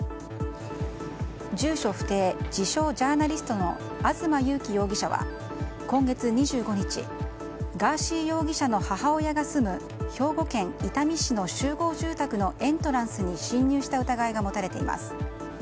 住所不定・自称ジャーナリストの東優樹容疑者は今月２５日ガーシー容疑者の母親が住む兵庫県伊丹市の集合住宅のエントランスに侵入した疑いが持たれています。